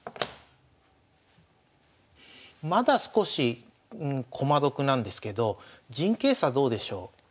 まだ少し駒得なんですけど陣形差どうでしょう？